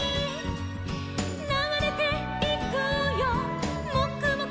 「ながれていくよもくもくもくも」